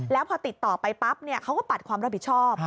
แล้วพอติดต่อไปปั๊บเขาก็ปัดความรับผิดชอบ